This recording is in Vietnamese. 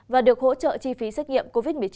và được hỗ trợ chi phí xét nghiệm covid một mươi chín